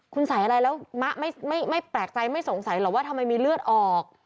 คุณใส่อะไรแล้วมะไม่แปลกใจไม่สงสัยหรอกว่าทำไมมีเลือดออก